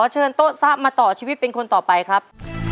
เชิญโต๊ะซะมาต่อชีวิตเป็นคนต่อไปครับ